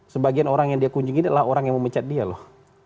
sebagian orang yang dia kunjungi adalah orang yang memecat dia loh